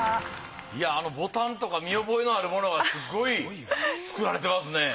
いやあのボタンとか見覚えのあるものがすごい。作られてますね。